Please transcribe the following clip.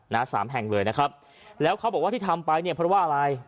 สามแห่งเลยนะครับแล้วเขาบอกว่าที่ทำไปเนี่ยเพราะว่าอะไร